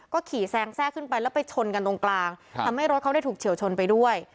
ขี่แซงแทรกขึ้นไปแล้วไปชนกันตรงกลางทำให้รถเขาได้ถูกเฉียวชนไปด้วย